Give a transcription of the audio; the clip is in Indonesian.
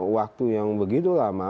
waktu yang begitu lama